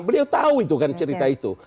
beliau tahu itu kan cerita itu